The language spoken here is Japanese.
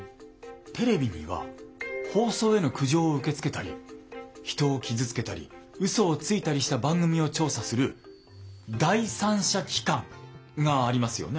テレビには放送への苦情を受け付けたり人を傷つけたりうそをついたりした番組を調査する第三者機関がありますよね？